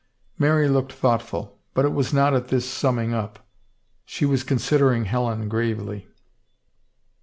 Mary looked thoughtful ; but it was not at this sum ming up. She was considering Helen gravely.